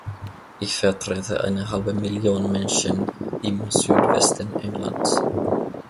Ich vertrete eine halbe Million Menschen im Südwesten Englands.